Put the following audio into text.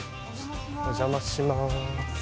お邪魔します。